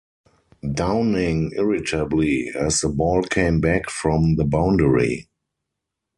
Downing irritably, as the ball came back from the boundary.